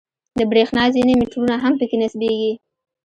د برېښنا ځینې میټرونه هم په کې نصبېږي.